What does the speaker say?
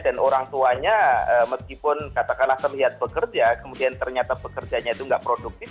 dan orang tuanya meskipun katakanlah terlihat bekerja kemudian ternyata pekerjanya itu tidak produktif